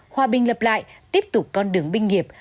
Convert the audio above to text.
hòa bình lập lại tiếp tục con đường binh nghiệp